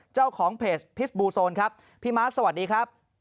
เจ้าของเพจพิษบูโซนครับพี่มาร์คสวัสดีครับ